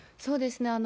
そうですね。